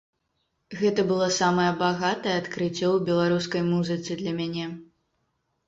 Гэта было самае багатае адкрыццё ў беларускай музыцы для мяне.